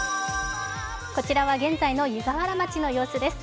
こちらは現在の湯河原町の様子です。